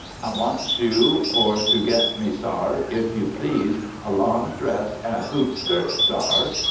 "I wants you for to get me, sar, if you please, a lawn dress and hoop skirt, sar."